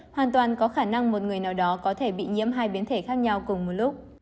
hoàn toàn có khả năng một người nào đó có thể bị nhiễm hai biến thể khác nhau cùng một lúc